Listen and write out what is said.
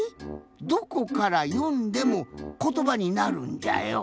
どこからよんでもことばになるんじゃよ。